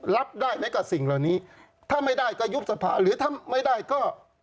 รับได้ไหมกับสิ่งเหล่านี้ถ้าไม่ได้ก็ยุบสภาหรือถ้าไม่ได้ก็